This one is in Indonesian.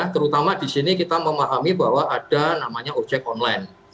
terutama di sini kita memahami bahwa ada namanya ojek online